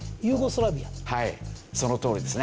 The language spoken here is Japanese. はいそのとおりですね。